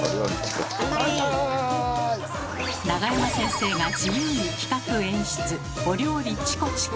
永山先生が自由に企画・演出「お料理チコチコ」。